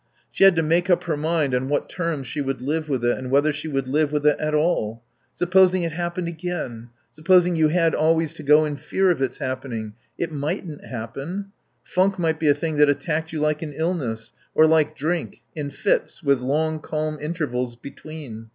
She had to make up her mind on what terms she would live with it and whether she would live with it at all. Supposing it happened again? Supposing you had always to go in fear of its happening?... It mightn't happen. Funk might be a thing that attacked you like an illness, or like drink, in fits, with long, calm intervals between.